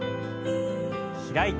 開いて。